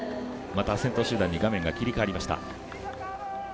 また、先頭集団に画面が切り替わりました。